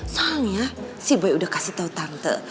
soalnya si boy udah kasih tahu tante